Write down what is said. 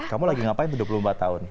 kamu lagi ngapain dua puluh empat tahun